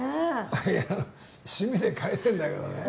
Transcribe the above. あっいや趣味で描いてんだけどね。